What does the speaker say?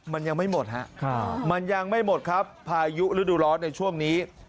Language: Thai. มันยังไม่หมดฮะมันยังไม่หมดครับพายุฤดูร้อนในช่วงนี้